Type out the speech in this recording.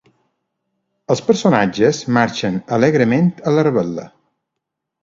Els personatges marxen alegrement a la revetlla.